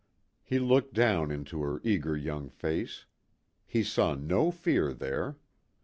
He looked down into her eager young face. He saw no fear there.